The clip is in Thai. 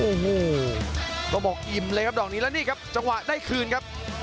โอ้โหต้องบอกอิ่มเลยครับดอกนี้แล้วนี่ครับจังหวะได้คืนครับ